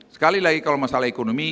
sekali lagi kalau masalah ekonomi